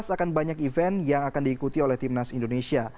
dua ribu delapan belas akan banyak event yang akan diikuti oleh timnas indonesia